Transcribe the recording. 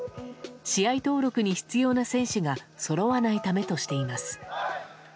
試合登録に必要な選手がそろわないためとしています。